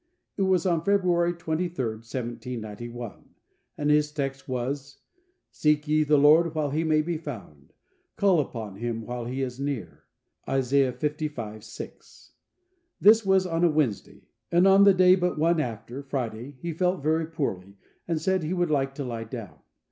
It was on February 23rd, 1791, and his text was, "Seek ye the Lord while He may be found, call upon Him while He is near." Isa. lv. 6. This was on a Wednesday, and the day but one after, Friday, he felt very poorly, and said he would like to lie down.